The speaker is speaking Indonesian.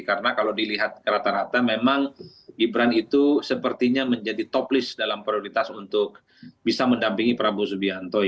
karena kalau dilihat rata rata memang gibran itu sepertinya menjadi topless dalam prioritas untuk bisa mendampingi prabowo subianto